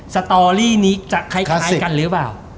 สตอรี่นี้จะคล้ายกันหรือเปล่า